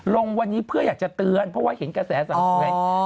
ลงวันนี้เพื่ออยากจะเตือนเพราะว่าเห็นกระแสสำหรับเมื่อไหร่